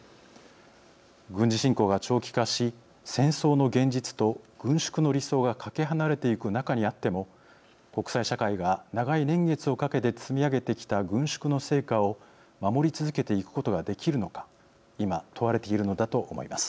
軍事侵攻が長期化し戦争の現実と軍縮の理想がかけ離れていく中にあっても国際社会が長い年月をかけて積み上げてきた軍縮の成果を守り続けていくことができるのか今、問われているのだと思います。